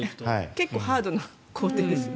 結構ハードな行程ですね。